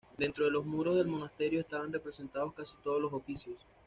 Dentro de los muros del monasterio estaban representados casi todos los oficios.